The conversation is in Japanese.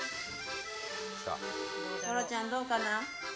ゴローちゃんどうかな？